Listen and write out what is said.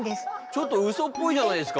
ちょっとうそっぽいじゃないですか。